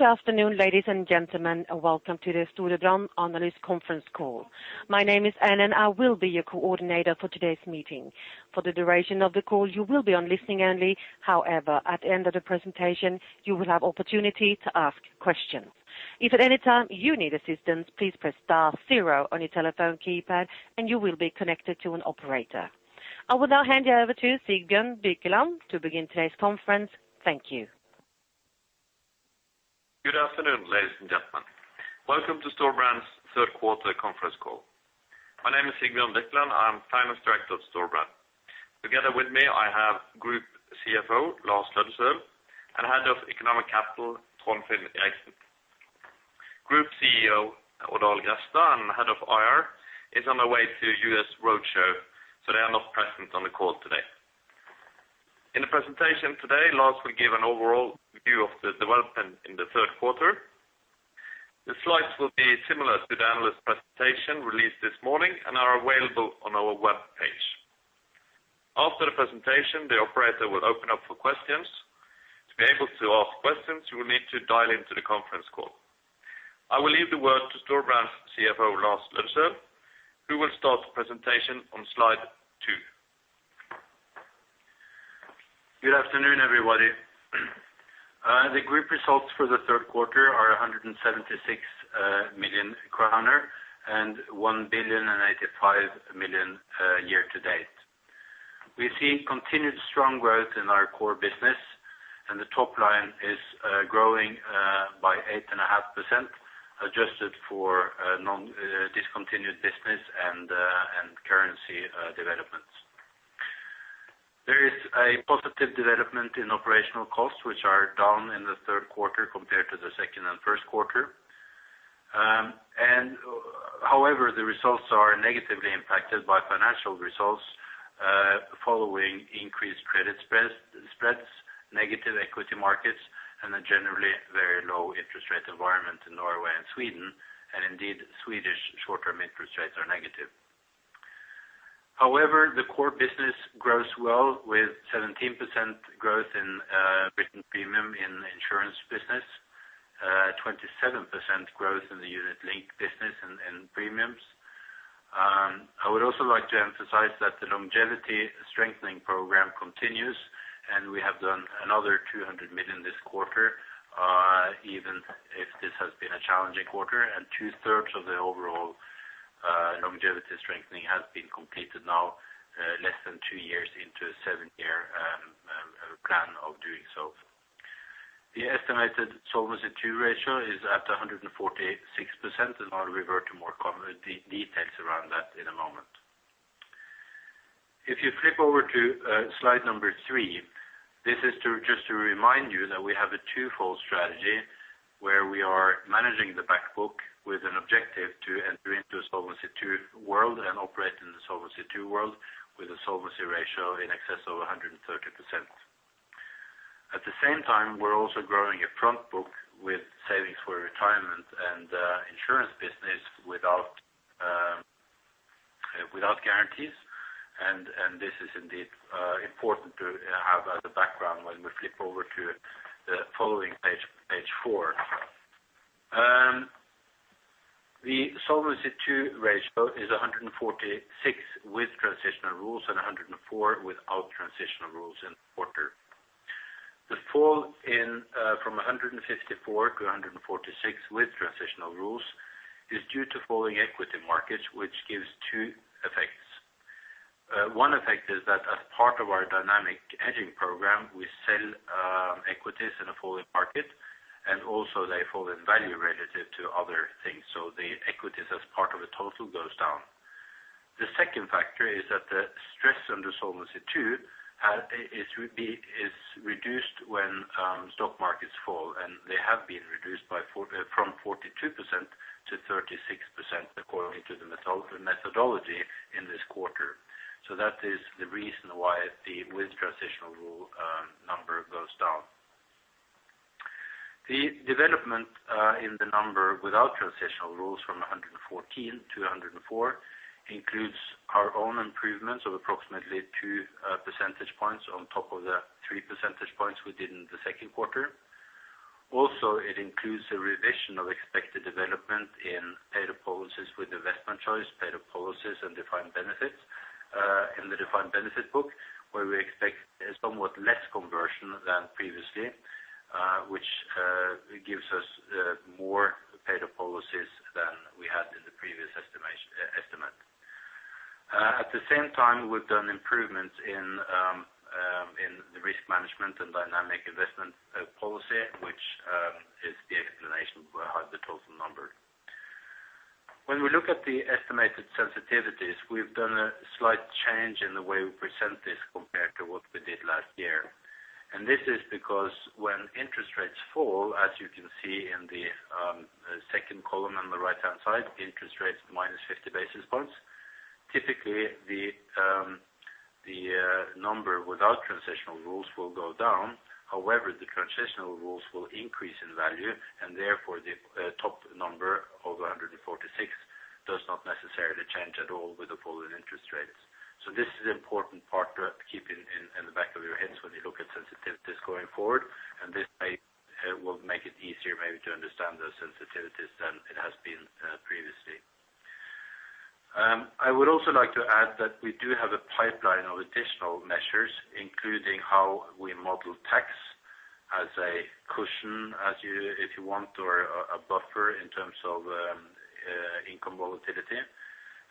Good afternoon, ladies and gentlemen, and welcome to the Storebrand Analyst Conference Call. My name is Anne, and I will be your coordinator for today's meeting. For the duration of the call, you will be on listening only. However, at the end of the presentation, you will have opportunity to ask questions. If at any time you need assistance, please press star zero on your telephone keypad, and you will be connected to an operator. I will now hand you over to Sigbjørn Birkeland to begin today's conference. Thank you. Good afternoon, ladies and gentlemen. Welcome to Storebrand's third quarter conference call. My name is Sigbjørn Birkeland. I'm finance director of Storebrand. Together with me, I have Group CFO, Lars Løddesøl, and Head of Economic Capital, Trond Finn Eriksen. Group CEO, Odd Arild Grefstad, and Head of IR is on their way to U.S. roadshow, so they are not present on the call today. In the presentation today, Lars will give an overall view of the development in the third quarter. The slides will be similar to the analyst presentation released this morning and are available on our webpage. After the presentation, the operator will open up for questions. To be able to ask questions, you will need to dial into the conference call. I will leave the word to Storebrand's CFO, Lars Løddesøl, who will start the presentation on slide two. Good afternoon, everybody. The group results for the third quarter are 176 million kroner, and 1,085 million year-to-date. We see continued strong growth in our core business, and the top line is growing by 8.5%, adjusted for discontinued business and currency developments. There is a positive development in operational costs, which are down in the third quarter compared to the second and first quarter. However, the results are negatively impacted by financial results following increased credit spreads, negative equity markets, and a generally very low interest rate environment in Norway and Sweden, and indeed, Swedish short-term interest rates are negative. However, the core business grows well, with 17% growth in written premium in insurance business, 27% growth in the Unit Linked business and premiums. I would also like to emphasize that the longevity strengthening program continues, and we have done another 200 million this quarter, even if this has been a challenging quarter, and 2/3 of the overall longevity strengthening has been completed now, less than two years into a seven-year plan of doing so. The estimated Solvency II ratio is at 146%, and I'll revert to more common details around that in a moment. If you flip over to slide three, this is to just to remind you that we have a twofold strategy where we are managing the back book with an objective to enter into a Solvency II world and operate in the Solvency II world with a Solvency ratio in excess of 130%. At the same time, we're also growing a front book with savings for retirement and insurance business without guarantees, and this is indeed important to have as a background when we flip over to the following page, page four. The Solvency II ratio is 146% with transitional rules and 104% without transitional rules in the quarter. The fall in from 154%-146% with transitional rules is due to falling equity markets, which gives two effects. One effect is that as part of our dynamic hedging program, we sell equities in a falling market, and also they fall in value relative to other things, so the equities as part of a total goes down. The second factor is that the stress under Solvency II is reduced when stock markets fall, and they have been reduced by four from 42%-36%, according to the methodology in this quarter. So that is the reason why the with transitional rule number goes down. The development in the number without transitional rules from 114%-104% includes our own improvements of approximately 2 percentage points on top of the 3 percentage points we did in the second quarter. Also, it includes a revision of expected development in paid-up policies with investment choice, paid-up policies, and defined benefits in the defined benefit book, where we expect somewhat less conversion than previously, which gives us more paid-up policies than we had in the previous estimate. At the same time, we've done improvements in the risk management and dynamic investment policy, which is the explanation for the total number. When we look at the estimated sensitivities, we've done a slight change in the way we present this compared to what we did last year. This is because when interest rates fall, as you can see in the second column on the right-hand side, interest rates -50 basis points, typically the number without transitional rules will go down. However, the transitional rules will increase in value, and therefore, the top number of 146% does not necessarily change at all with the fall in interest rates. So this is an important part to keep in the back of your heads when you look at sensitivities going forward, and this may will make it easier maybe to understand those sensitivities than it has been previously. I would also like to add that we do have a pipeline of additional measures, including how we model tax as a cushion, if you want, or a buffer in terms of income volatility,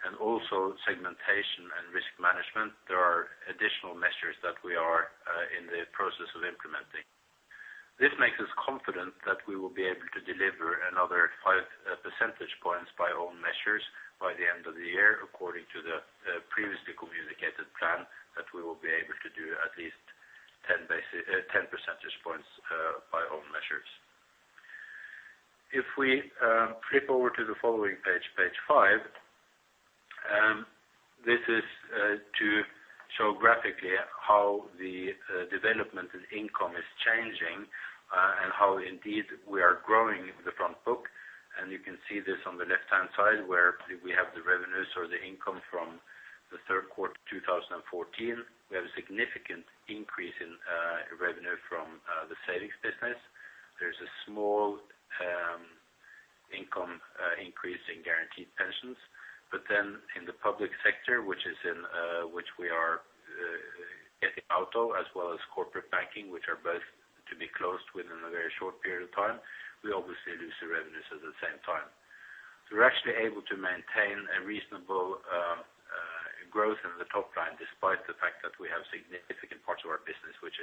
and also segmentation and risk management. There are additional measures that we are in the process of implementing. This makes us confident that we will be able to deliver another 5 percentage points by own measures by the end of the year, according to the previously communicated plan, that we will be able to do at least 10 percentage points by own measures. If we flip over to the following page, page five, this is to show graphically how the development in income is changing, and how indeed we are growing the front book. You can see this on the left-hand side, where we have the revenues or the income from the third quarter of 2014. We have a significant increase in revenue from the savings business. There's a small income increase in guaranteed pensions. But then in the public sector, which we are getting out of, as well as corporate banking, which are both to be closed within a very short period of time, we obviously lose the revenues at the same time. We're actually able to maintain a reasonable growth in the top line, despite the fact that we have significant parts of our business, which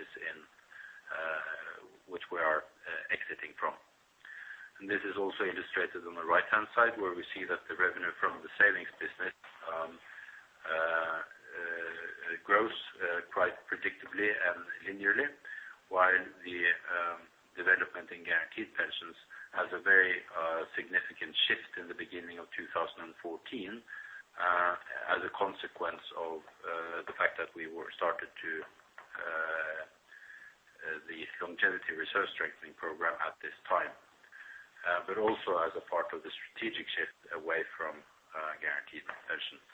we are exiting from. This is also illustrated on the right-hand side, where we see that the revenue from the savings business grows quite predictably and linearly, while the development in guaranteed pensions has a very significant shift in the beginning of 2014 as a consequence of the fact that we were started to the longevity reserve strengthening program at this time but also as a part of the strategic shift away from guaranteed pensions.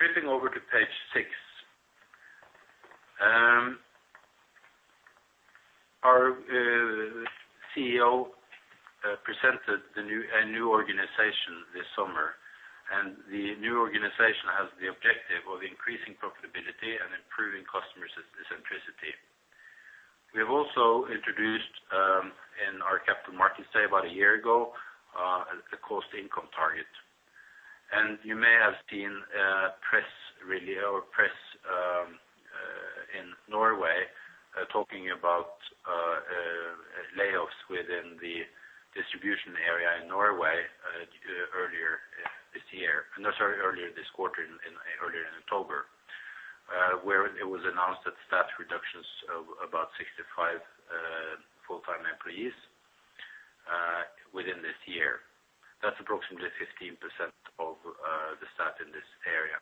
Flipping over to page six, our CEO presented the new organization this summer, and the new organization has the objective of increasing profitability and improving customer centricity. We have also introduced in our Capital Markets Day, about a year ago, a cost income target. You may have seen press release or press in Norway talking about layoffs within the distribution area in Norway earlier this year. No, sorry, earlier this quarter, earlier in October, where it was announced that staff reductions of about 65 full-time employees within this year. That's approximately 15% of the staff in this area.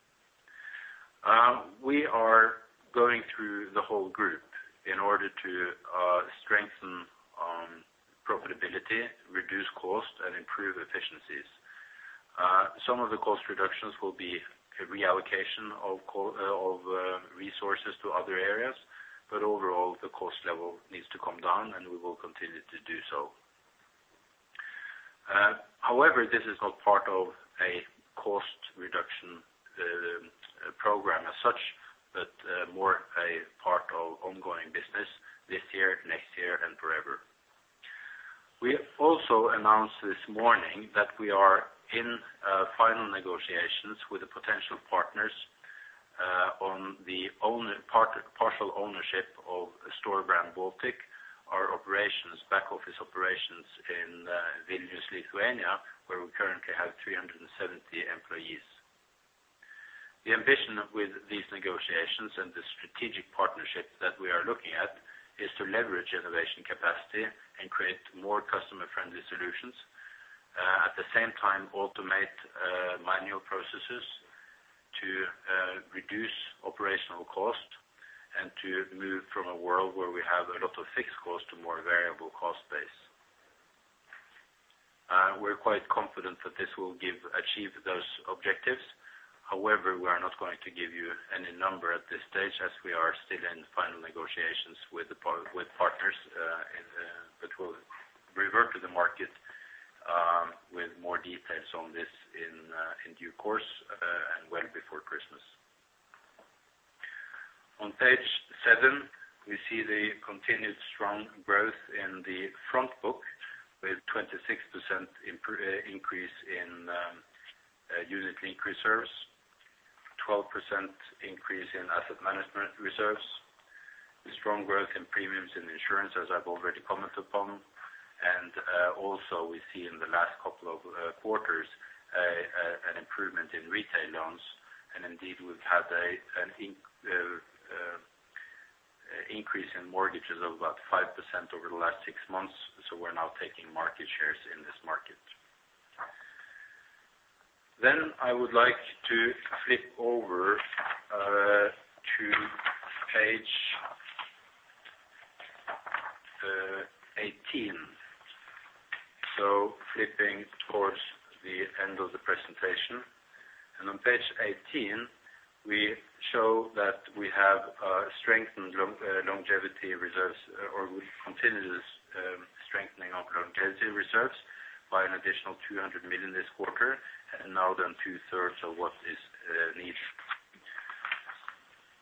We are going through the whole group in order to strengthen profitability, reduce cost, and improve efficiencies. Some of the cost reductions will be a reallocation of resources to other areas, but overall, the cost level needs to come down, and we will continue to do so. However, this is not part of a cost reduction program as such, but more a part of ongoing business this year, next year, and forever. We also announced this morning that we are in final negotiations with the potential partners on the owner, partial ownership of Storebrand Baltic, our operations, back-office operations in Vilnius, Lithuania, where we currently have 370 employees. The ambition with these negotiations and the strategic partnership that we are looking at is to leverage innovation capacity and create more customer-friendly solutions. At the same time, automate manual processes to reduce operational cost and to move from a world where we have a lot of fixed cost to more variable cost base. We're quite confident that this will give, achieve those objectives. However, we are not going to give you any number at this stage, as we are still in final negotiations with the partner, with partners, in, but we'll revert to the market, with more details on this in, in due course, and well before Christmas. On page seven, we see the continued strong growth in the front book, with 26% increase in Unit Linked reserves, 12% increase in asset management reserves, the strong growth in premiums and insurance, as I've already commented upon. Also, we see in the last couple of quarters, an improvement in retail loans. Indeed, we've had an increase in mortgages of about 5% over the last six months, so we're now taking market shares in this market. Then I would like to flip over to page 18. So flipping towards the end of the presentation. And on page 18, we show that we have strengthened longevity reserves, or we continue this strengthening of longevity reserves by an additional 200 million this quarter, and now done 2/3 of what is needed.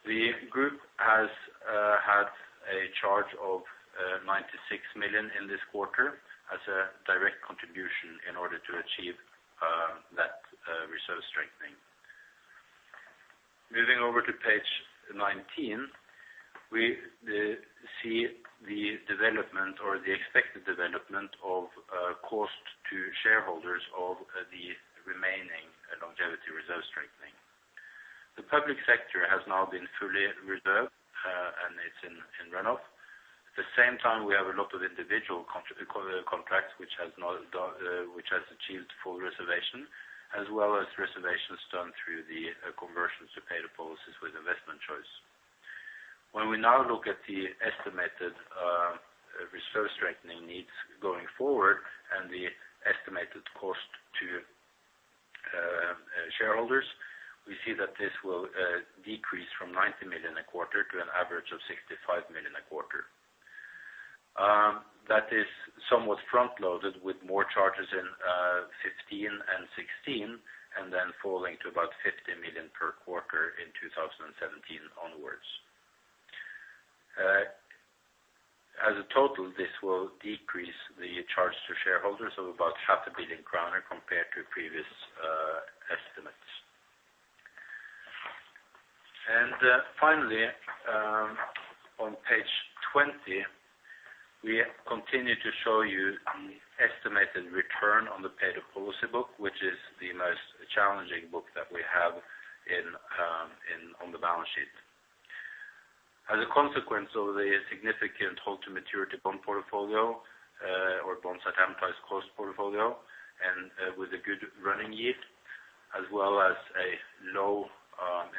The group has had a charge of 96 million in this quarter as a direct contribution in order to achieve that reserve strengthening. Moving over to page 19, we see the development or the expected development of cost to shareholders of the remaining longevity reserve strengthening. The public sector has now been fully reserved, and it's in, in runoff. At the same time, we have a lot of individual contracts, which has achieved full reservation, as well as reservations done through the, conversions to paid-up policies with investment choice. When we now look at the estimated, reserve strengthening needs going forward and the estimated cost to, shareholders, we see that this will, decrease from 90 million a quarter to an average of 65 million a quarter. That is somewhat front loaded, with more charges in, 2015 and 2016, and then falling to about 50 million per quarter in 2017 onwards. As a total, this will decrease the charge to shareholders of about 0.5 billion kroner compared to previous, estimates. Finally, on page 20, we continue to show you the estimated return on the paid policy book, which is the most challenging book that we have in on the balance sheet. As a consequence of the significant hold to maturity bond portfolio, or bonds at amortized cost portfolio, and with a good running yield, as well as a low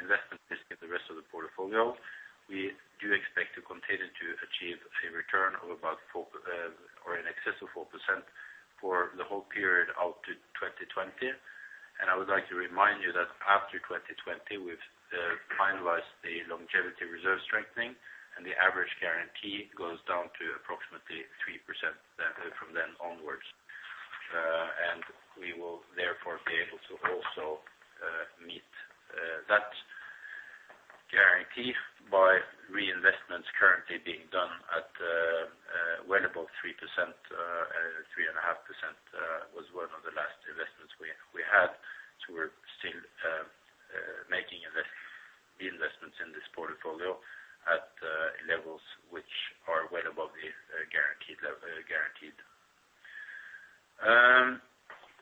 investment risk in the rest of the portfolio, we do expect to continue to achieve a return of about 4% or in excess of 4% for the whole period out to 2020. I would like to remind you that after 2020, we've finalized the longevity reserve strengthening, and the average guarantee goes down to approximately 3% then, from then onwards. We will therefore be able to also meet that guarantee by reinvestments currently being done at well above 3%. 3.5% was one of the last investments we had. So we're still making investments in this portfolio at levels which are well above the guaranteed.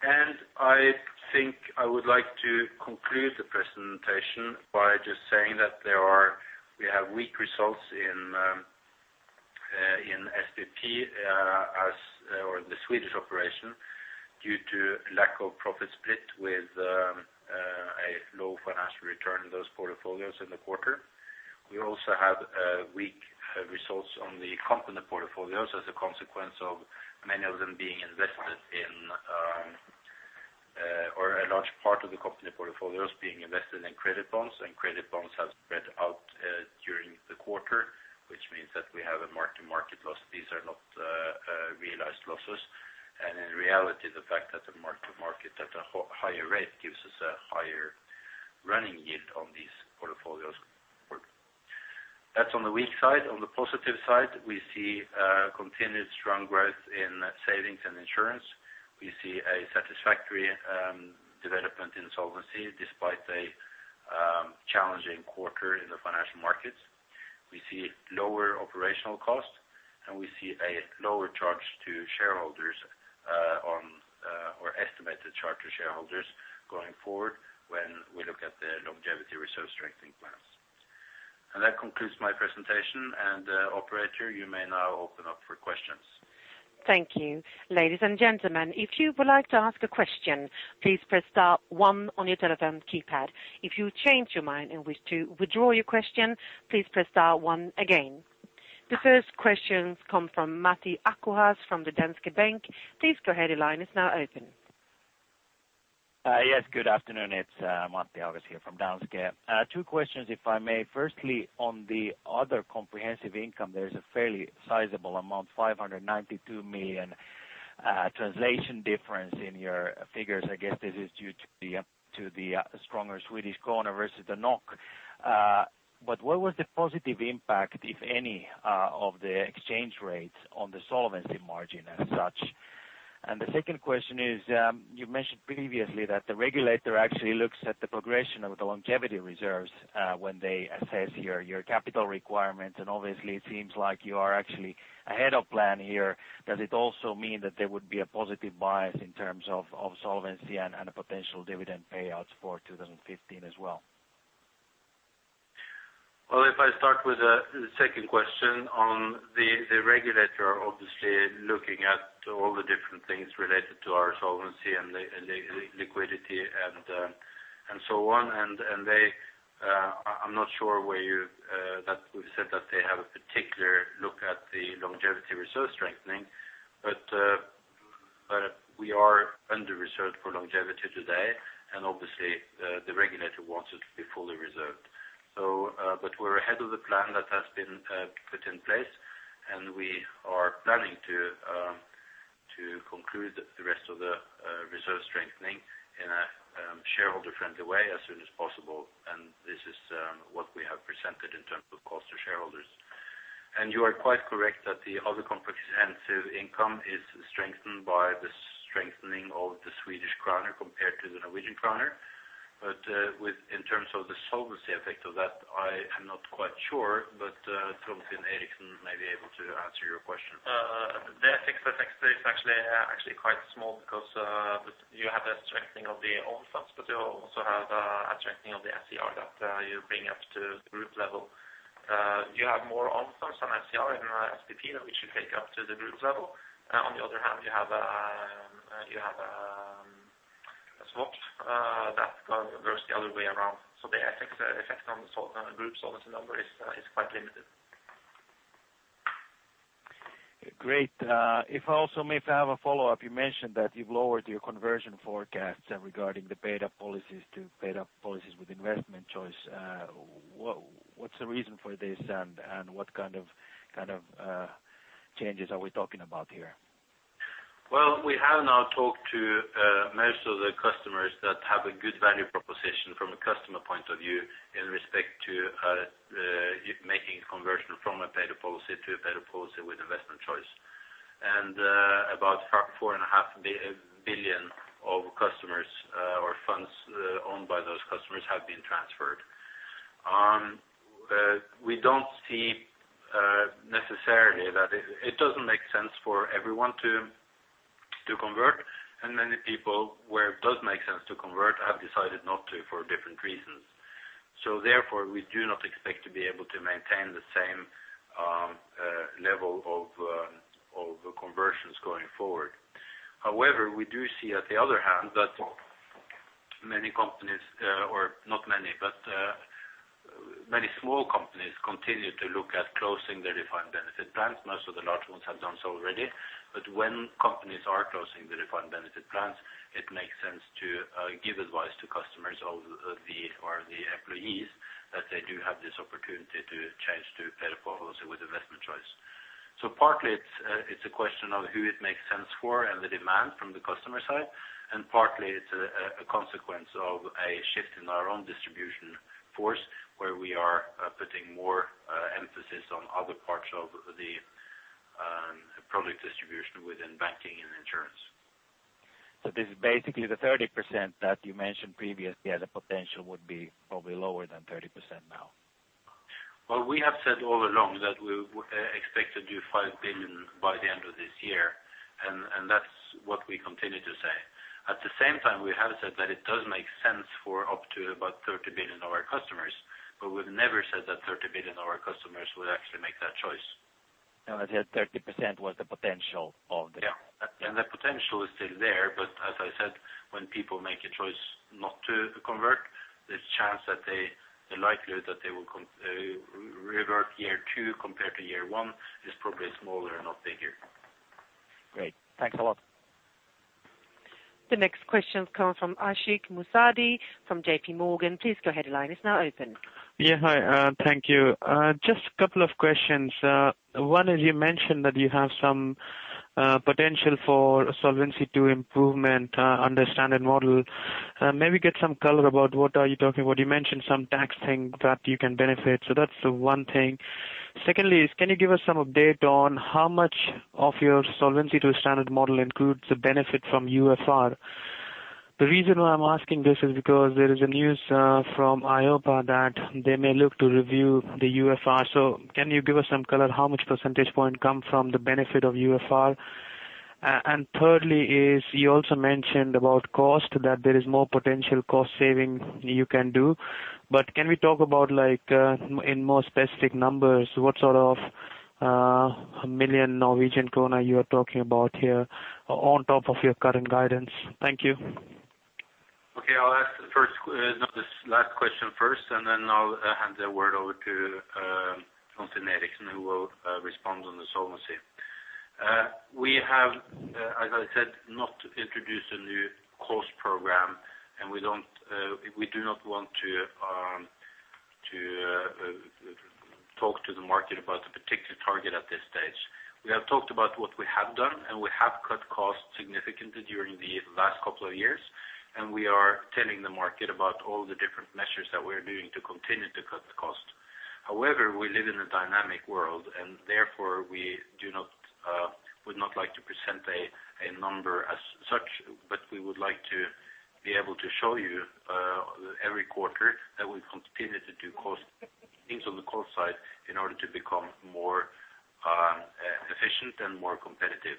I think I would like to conclude the presentation by just saying we have weak results in SPP or the Swedish operation, due to lack of profit split with a low financial return in those portfolios in the quarter. We also have weak results on the company portfolios as a consequence of many of them being invested in, or a large part of the company portfolios being invested in credit bonds, and credit bonds have spread out during the quarter, which means that we have a mark-to-market loss. These are not realized losses. And in reality, the fact that the mark-to-market at a higher rate gives us a higher running yield on these portfolios. That's on the weak side. On the positive side, we see continued strong growth in savings and insurance. We see a satisfactory development in Solvency despite a challenging quarter in the financial markets. We see lower operational costs, and we see a lower charge to shareholders, or estimated charge to shareholders going forward when we look at the longevity reserve strengthening plans. That concludes my presentation, and operator, you may now open up for questions. Thank you. Ladies and gentlemen, if you would like to ask a question, please press star one on your telephone keypad. If you change your mind and wish to withdraw your question, please press star one again. The first question comes from Matti Ahokas from the Danske Bank. Please go ahead, your line is now open. Yes, good afternoon. It's Matti Ahokas here from Danske Bank. Two questions, if I may. Firstly, on the other comprehensive income, there's a fairly sizable amount, 592 million translation difference in your figures. I guess this is due to the stronger Swedish krona versus the NOK. But what was the positive impact, if any, of the exchange rate on the Solvency margin as such? And the second question is, you mentioned previously that the regulator actually looks at the progression of the longevity reserves when they assess your capital requirements, and obviously it seems like you are actually ahead of plan here. Does it also mean that there would be a positive bias in terms of, of Solvency and, and a potential dividend payouts for 2015 as well? ...Well, if I start with the second question on the regulator, obviously looking at all the different things related to our Solvency and liquidity and so on. And they, I'm not sure where you that we've said that they have a particular look at the longevity reserve strengthening. But we are under reserved for longevity today, and obviously the regulator wants it to be fully reserved. So, but we're ahead of the plan that has been put in place, and we are planning to conclude the rest of the reserve strengthening in a shareholder-friendly way as soon as possible, and this is what we have presented in terms of cost to shareholders. And you are quite correct that the other comprehensive income is strengthened by the strengthening of the Swedish kronor compared to the Norwegian kroner. But in terms of the Solvency effect of that, I am not quite sure, but Trond Finn Eriksen may be able to answer your question. The FX effect is actually quite small because you have a strengthening of the own funds, but you also have a strengthening of the SCR that you're bringing up to group level. You have more own funds on SCR and SPP, which you take up to the group level. On the other hand, you have a swap that goes the other way around. So the effect on the group Solvency number is quite limited. Great. If I also may have a follow-up, you mentioned that you've lowered your conversion forecasts regarding the paid-up policies to paid-up policies with investment choice. What, what's the reason for this, and, and what kind of, kind of, changes are we talking about here? Well, we have now talked to most of the customers that have a good value proposition from a customer point of view, in respect to making a conversion from a paid-up policy to a paid-up policy with investment choice. And about 4.5 billion of customers or funds owned by those customers have been transferred. We don't see necessarily that it doesn't make sense for everyone to convert, and many people where it does make sense to convert have decided not to, for different reasons. So therefore, we do not expect to be able to maintain the same level of conversions going forward. However, we do see on the other hand that many companies or not many, but many small companies continue to look at closing their defined benefit plans. Most of the large ones have done so already. But when companies are closing the defined benefit plans, it makes sense to give advice to customers of the, or the employees, that they do have this opportunity to change to paid-up policy with investment choice. So partly it's, it's a question of who it makes sense for and the demand from the customer side, and partly it's a consequence of a shift in our own distribution force, where we are putting more emphasis on other parts of the product distribution within banking and insurance. This is basically the 30% that you mentioned previously, and the potential would be probably lower than 30% now? Well, we have said all along that we expect to do 5 billion by the end of this year, and, and that's what we continue to say. At the same time, we have said that it does make sense for up to about 30 billion of our customers, but we've never said that 30 billion of our customers would actually make that choice. No, I said 30% was the potential of the- Yeah. And the potential is still there, but as I said, when people make a choice not to convert, there's chance that they... the likelihood that they will revert year two compared to year one, is probably smaller and not bigger. Great, thanks a lot. The next question comes from Ashik Musaddi, from JPMorgan. Please go ahead, line is now open. Yeah. Hi, thank you. Just a couple of questions. One, as you mentioned, that you have some potential for Solvency II improvement under standard model. Maybe get some color about what are you talking about? You mentioned some tax thing that you can benefit, so that's one thing. Secondly, can you give us some update on how much of your Solvency II standard model includes the benefit from UFR? The reason why I'm asking this is because there is a news from EIOPA, that they may look to review the UFR. So can you give us some color, how much percentage point come from the benefit of UFR? And thirdly, you also mentioned about cost, that there is more potential cost saving you can do. But can we talk about like, in more specific numbers, what sort of million Norwegian Kroner you are talking about here, on top of your current guidance? Thank you. Okay. I'll ask the first—no, the last question first, and then I'll hand the word over to Trond Finn Eriksen, who will respond on the Solvency. We have, as I said, not introduced a new cost program, and we don't, we do not want to talk to the market about a particular target at this stage. We have talked about what we have done, and we have cut costs significantly during the last couple of years, and we are telling the market about all the different measures that we're doing to continue to cut the cost. However, we live in a dynamic world, and therefore, we do not would not like to present a number as such. But we would like to be able to show you every quarter that we've continued to do cost things on the cost side in order to become more efficient and more competitive.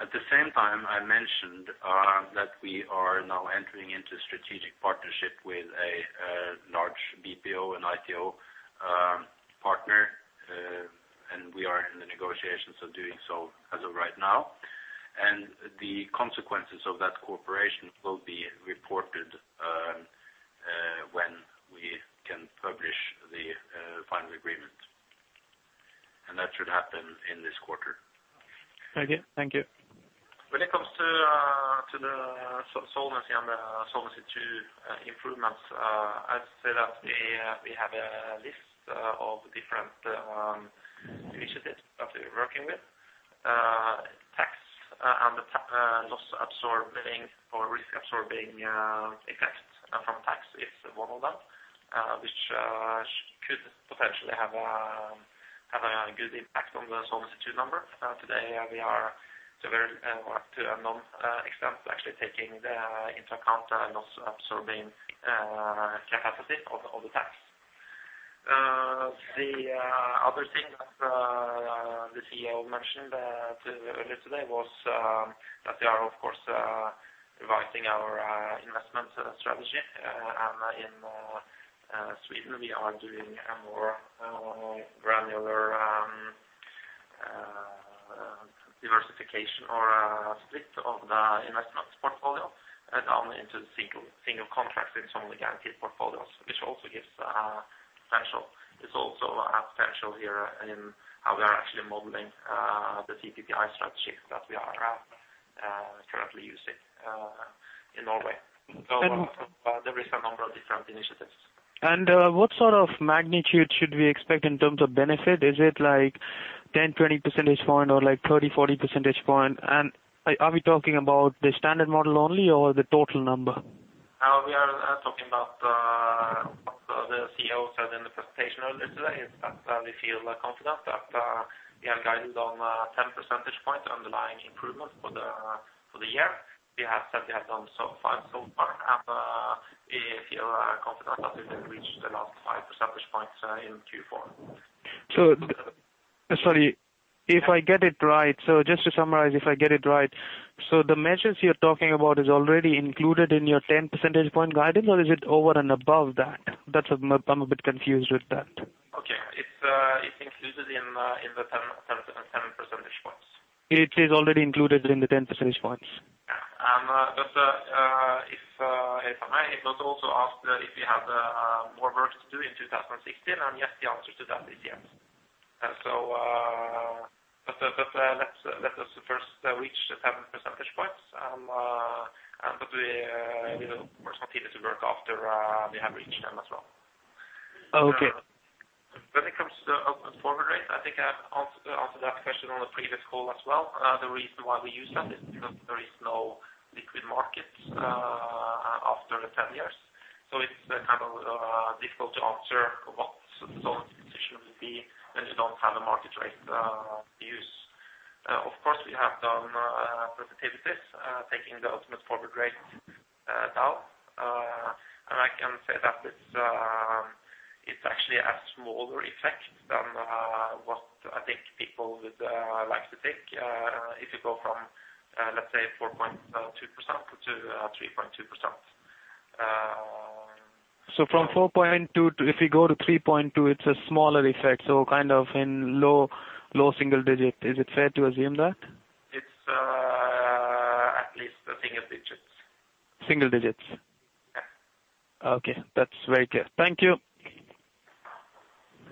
At the same time, I mentioned that we are now entering into a strategic partnership with a large BPO and ITO partner, and we are in the negotiations of doing so as of right now. The consequences of that cooperation will be reported when we can publish the final agreement. That should happen in this quarter. Thank you. Thank you. When it comes to the Solvency and the Solvency II improvements, I'd say that we have a list of different initiatives that we're working with. Tax and the loss absorbing or risk absorbing effects from tax is one of them, which could potentially have a good impact on the Solvency II number. Today, we are to a very known extent actually taking the tax into account and loss absorbing capacity of the tax. The other thing that the CEO mentioned earlier today was that we are, of course, revising our investment strategy. In Sweden, we are doing a more granular diversification or split of the investment portfolio and down into single contracts in some of the guaranteed portfolios, which also gives potential. It's also a potential here in how we are actually modeling the CPPI strategy that we are currently using in Norway. And- There is a number of different initiatives. What sort of magnitude should we expect in terms of benefit? Is it like 10, 20 percentage point or like 30, 40 percentage point? Are we talking about the standard model only or the total number? We are talking about what the CEO said in the presentation earlier today, is that we feel confident that we have guided on 10 percentage points underlying improvement for the year. We certainly have done five so far, and we feel confident that we will reach the last 5 percentage points in Q4. Sorry, if I get it right, so just to summarize, if I get it right, so the measures you're talking about is already included in your 10 percentage point guidance, or is it over and above that? That's what I'm a bit confused with that. Okay. It's included in the 10, 10, 10 percentage points. It is already included in the 10 percentage points? Yeah. And, but, if, if I was also asked if we have more work to do in 2016, and yes, the answer to that is yes. And so, but, but let us first reach the 10 percentage points, and, and but we, we will continue to work after we have reached them as well. Okay. When it comes to Ultimate Forward Rate, I think I answered that question on the previous call as well. The reason why we use that is because there is no liquid markets after the 10 years. So it's kind of difficult to answer what the position will be when you don't have a market rate use. Of course, we have done sensitivities taking the Ultimate Forward Rate down. And I can say that it's, it's actually a smaller effect than what I think people would like to think if you go from, let's say 4.2%-3.2%. So from 4.2%, if you go to 3.2%, it's a smaller effect, so kind of in low, low single digit. Is it fair to assume that? It's at least the single digits. Single digits? Yeah. Okay, that's very clear. Thank you.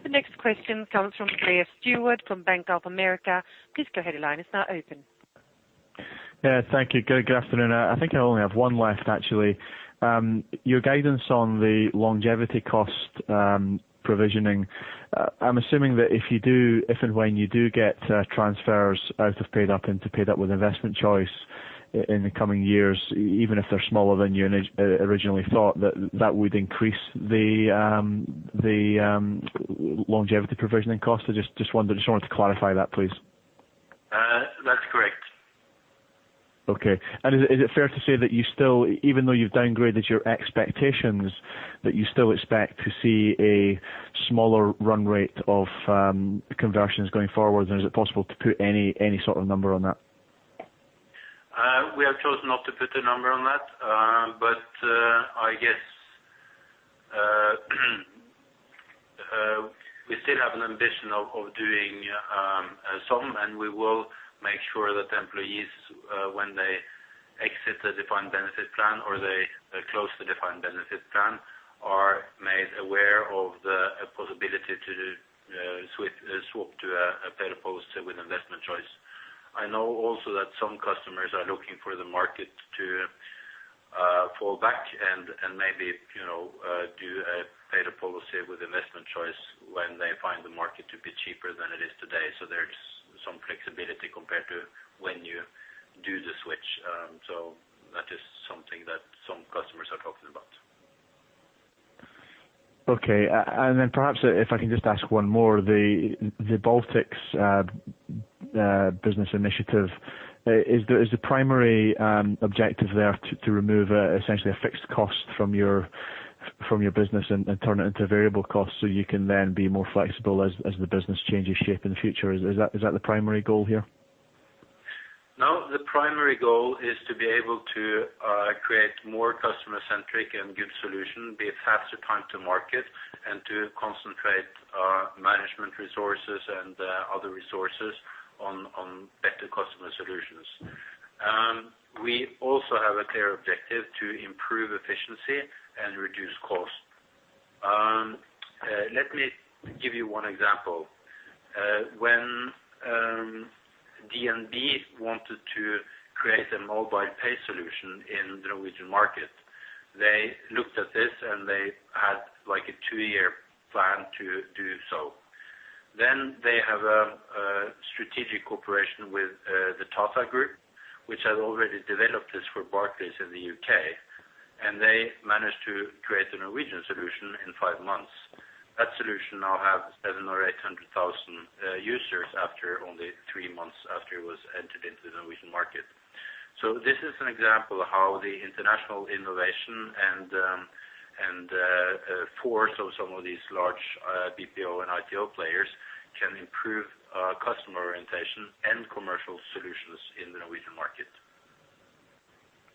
The next question comes from Blair Stewart from Bank of America. Please go ahead, your line is now open. Yeah, thank you. Good afternoon. I think I only have one left, actually. Your guidance on the longevity cost provisioning, I'm assuming that if and when you do get transfers out of paid-up into paid-up with investment choice in the coming years, even if they're smaller than you originally thought, that that would increase the longevity provisioning cost? I just wanted to clarify that, please. That's correct. Okay. And is it fair to say that you still, even though you've downgraded your expectations, that you still expect to see a smaller run rate of conversions going forward? And is it possible to put any sort of number on that? We have chosen not to put a number on that, but I guess we still have an ambition of doing some, and we will make sure that the employees, when they exit the defined benefit plan or they close the defined benefit plan, are made aware of the possibility to switch to a paid-up policy with investment choice. I know also that some customers are looking for the market to fall back and maybe, you know, do a paid-up policy with investment choice when they find the market to be cheaper than it is today. So there's some flexibility compared to when you do the switch, so that is something that some customers are talking about. Okay. And then perhaps if I can just ask one more, the Baltics business initiative, is the primary objective there to remove essentially a fixed cost from your-... from your business and turn it into variable costs, so you can then be more flexible as the business changes shape in the future. Is that the primary goal here? No, the primary goal is to be able to create more customer-centric and good solution, be a faster time to market, and to concentrate management resources and other resources on better customer solutions. We also have a clear objective to improve efficiency and reduce costs. Let me give you one example. When DNB wanted to create a mobile pay solution in the Norwegian market, they looked at this, and they had, like, a two-year plan to do so. Then they have a strategic cooperation with the Tata Group, which had already developed this for Barclays in the U.K., and they managed to create a Norwegian solution in five months. That solution now has 700,000 or 800,000 users after only three months after it was entered into the Norwegian market. So this is an example of how the international innovation and force of some of these large BPO and ITO players can improve customer orientation and commercial solutions in the Norwegian market.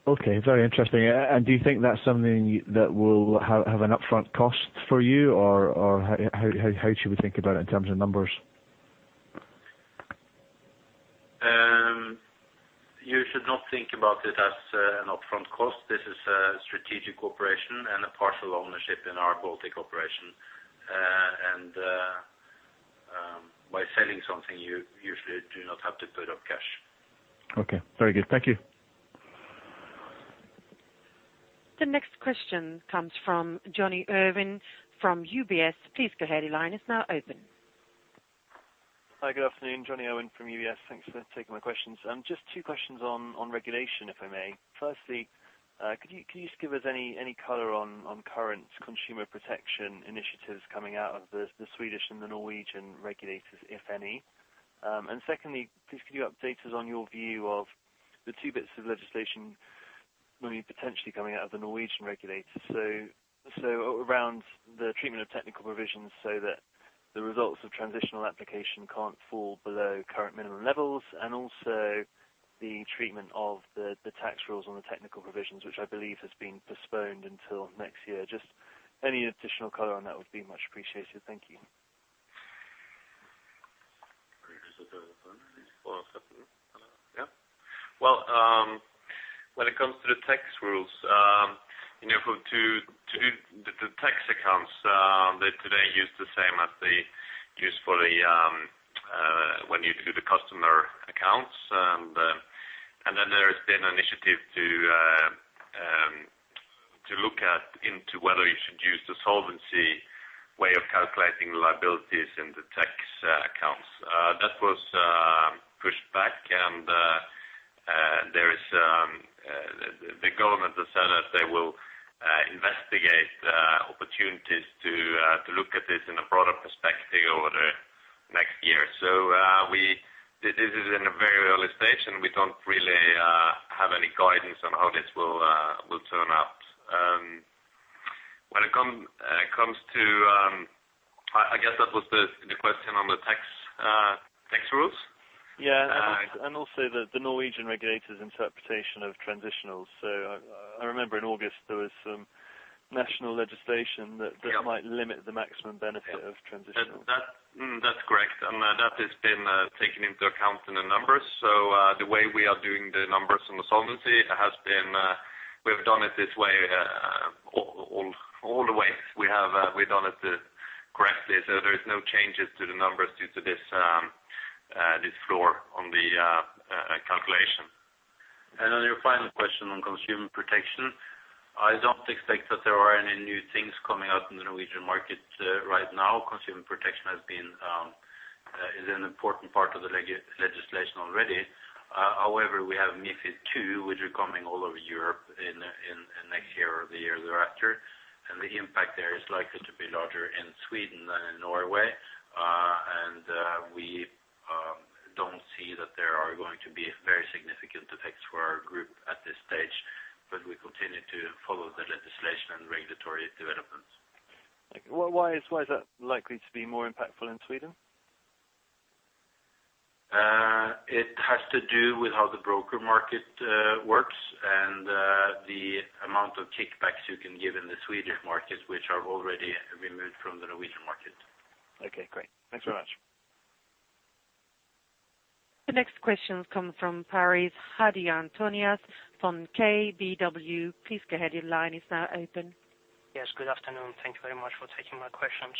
Okay, very interesting. And do you think that's something that will have an upfront cost for you, or how should we think about it in terms of numbers? You should not think about it as an upfront cost. This is a strategic cooperation and a partial ownership in our Baltic operation. By selling something, you usually do not have to put up cash. Okay, very good. Thank you. The next question comes from Jonny Urwin from UBS. Please go ahead, your line is now open. Hi, good afternoon, Jonny Urwin from UBS. Thanks for taking my questions. Just two questions on, on regulation, if I may. Firstly, could you, could you just give us any, any color on, on current consumer protection initiatives coming out of the, the Swedish and the Norwegian regulators, if any? And secondly, please, could you update us on your view of the two bits of legislation potentially coming out of the Norwegian regulators? So, so around the treatment of technical provisions, so that the results of transitional application can't fall below current minimum levels, and also the treatment of the, the tax rules on the technical provisions, which I believe has been postponed until next year. Just any additional color on that would be much appreciated. Thank you. Yeah. Well, when it comes to the tax rules, you know, for to, to do the tax accounts, they today use the same as they use for the, you know, when you do the customer accounts. Then there has been an initiative to look at into whether you should use the Solvency way of calculating liabilities in the tax accounts. That was pushed back, and there is, you know, the government has said that they will investigate opportunities to look at this in a broader perspective over the next year. We-- this is in a very early stage, and we don't really have any guidance on how this will turn out. When it comes to... I guess that was the question on the tax rules? Yeah. Uh- And also the Norwegian regulator's interpretation of transitionals. So I remember in August there was some national legislation that- Yeah. This might limit the maximum benefit of transitionals. That, that's correct, and that has been taken into account in the numbers. So, the way we are doing the numbers on the Solvency has been, we have done it this way, all the way. We have, we've done it correctly, so there is no changes to the numbers due to this, this floor on the, calculation. And on your final question on consumer protection, I don't expect that there are any new things coming out in the Norwegian market, right now. Consumer protection has been, is an important part of the legislation already. However, we have MiFID II, which are coming all over Europe in, in next year or the year thereafter, and the impact there is likely to be larger in Sweden than in Norway. We don't see that there are going to be very significant effects for our group at this stage, but we continue to follow the legislation and regulatory developments. Well, why is, why is that likely to be more impactful in Sweden? It has to do with how the broker market works and the amount of kickbacks you can give in the Swedish market, which are already removed from the Norwegian market. Okay, great. Thanks very much. The next question comes from Paris Hadjiantonis from KBW. Please go ahead, your line is now open. Yes, good afternoon. Thank you very much for taking my questions.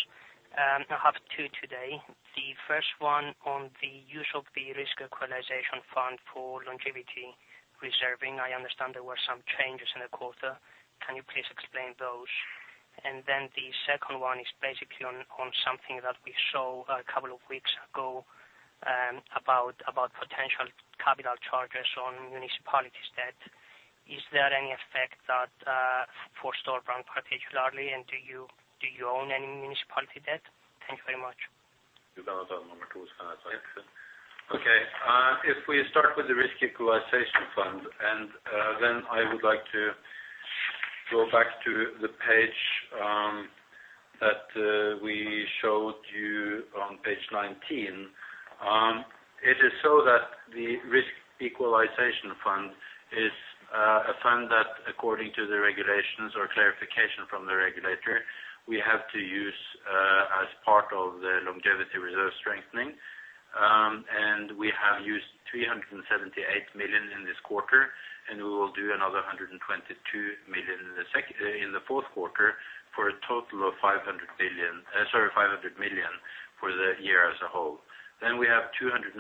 I have two today. The first one on the use of the Risk Equalization Fund for longevity reserving. I understand there were some changes in the quarter. Can you please explain those? And then the second one is basically on something that we saw a couple of weeks ago, about potential capital charges on municipalities' debt. Is there any effect that for Storebrand particularly, and do you own any municipality debt? Thank you very much.... Okay, if we start with the Risk Equalization Fund, and then I would like to go back to the page that we showed you on page 19. It is so that the Risk Equalization Fund is a fund that according to the regulations or clarification from the regulator, we have to use as part of the longevity reserve strengthening. And we have used 378 million in this quarter, and we will do another 122 million in the fourth quarter, for a total of 500 million for the year as a whole. Then we have 276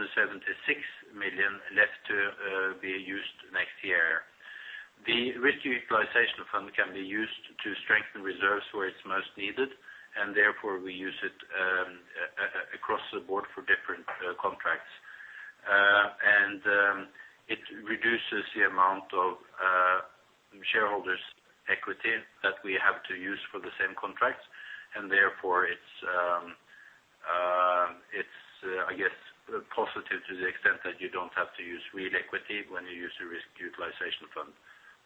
million left to be used next year. The Risk Equalization Fund can be used to strengthen reserves where it's most needed, and therefore we use it across the board for different contracts. It reduces the amount of shareholders' equity that we have to use for the same contracts, and therefore it's positive to the extent that you don't have to use real equity when you use the Risk Equalization Fund.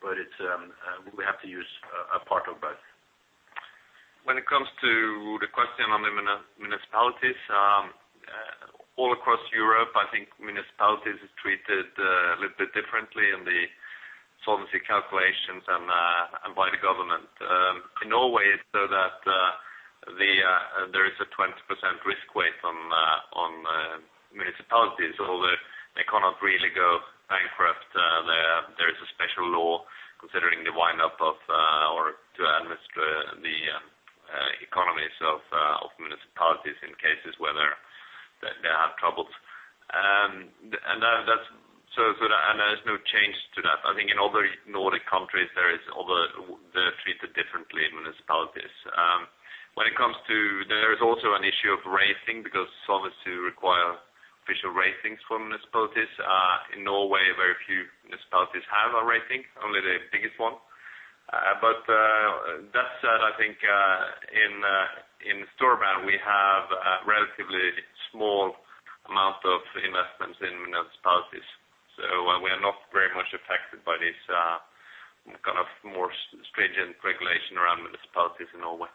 But we have to use a part of both. When it comes to the question on the municipalities, all across Europe, I think municipalities is treated a little bit differently in the Solvency calculations and by the government. In Norway, there is a 20% risk weight on municipalities, although they cannot really go bankrupt, there is a special law considering the wind up of or to administer the economies of municipalities in cases whether they have troubles. And that's so and there's no change to that. I think in other Nordic countries, there is other. They're treated differently in municipalities. When it comes to, there is also an issue of rating, because some is to require official ratings from municipalities. In Norway, very few municipalities have a rating, only the biggest one. But that said, I think in Storebrand, we have a relatively small amount of investments in municipalities, so we are not very much affected by this kind of more stringent regulation around municipalities in Norway.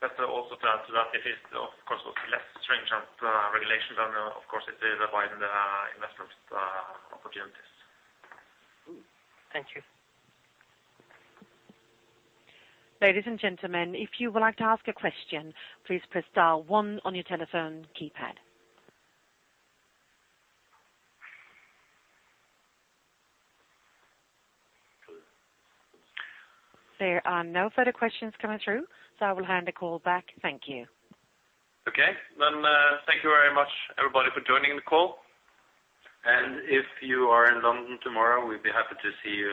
But also to add to that, it is, of course, less stringent regulation than, of course, it is a wider investment opportunities. Thank you. Ladies and gentlemen, if you would like to ask a question, please press star one on your telephone keypad. There are no further questions coming through, so I will hand the call back. Thank you. Okay. Then, thank you very much, everybody, for joining the call. If you are in London tomorrow, we'd be happy to see you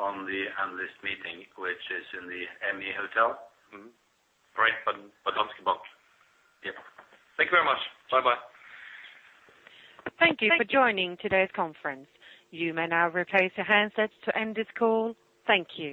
on the analyst meeting, which is in the ME Hotel. Mm-hmm. Right, but, but don't skip out. Yep. Thank you very much. Bye-bye. Thank you for joining today's conference. You may now replace your handsets to end this call. Thank you.